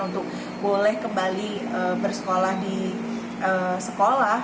untuk boleh kembali bersekolah di sekolah